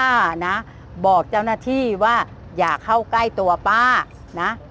นะบอกเจ้าหน้าที่ว่าอย่าเข้าใกล้ตัวป้านะ